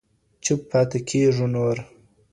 چوپ پاته كيږو نور